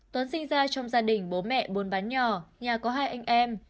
tuấn sinh ra trong gia đình bố mẹ buôn bán nhỏ nhà có hai anh em